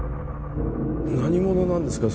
何者なんですか？